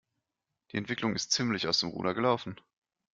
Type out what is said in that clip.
Die Entwicklung ist ziemlich aus dem Ruder gelaufen.